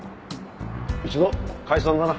一度解散だな。